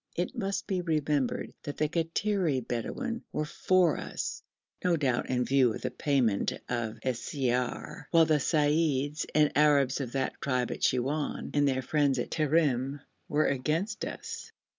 It must be remembered that the Kattiri Bedouin were for us (no doubt in view of the payment of siyar), while the seyyids and Arabs of that tribe at Siwoun, and their friends at Terim, were against us.